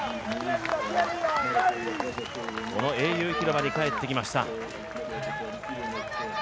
この英雄広場に帰ってきました。